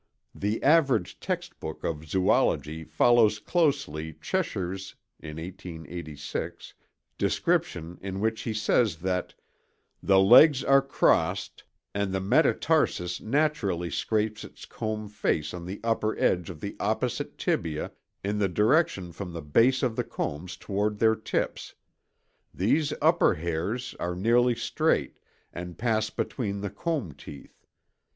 The average textbook of zoology follows closely Cheshire's (1886) description in which he says that "the legs are crossed, and the metatarsus naturally scrapes its comb face on the upper edge of the opposite tibia in the direction from the base of the combs toward their tips. These upper hairs are nearly straight, and pass between the comb teeth.